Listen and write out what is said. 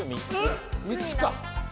３つか？